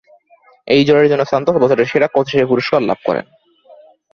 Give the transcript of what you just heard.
এই জয়ের জন্য সান্তোস বছরের সেরা কোচ হিসেবে পুরস্কার লাভ করেন।